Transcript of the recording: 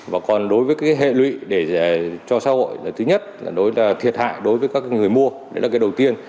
và còn đối với cái hệ lụy để cho xã hội là thứ nhất là thiệt hại đối với các người mua đấy là cái đầu tiên